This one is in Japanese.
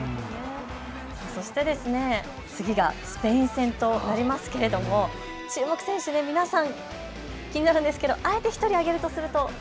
そして、次がスペイン戦となりますが注目選手、皆さん、気になるんですがあえて１人挙げるとすると？